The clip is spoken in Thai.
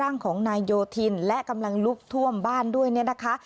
ร่างของนายโยธินและกำลังลุกท่วมบ้านด้วยเนี่ยนะคะ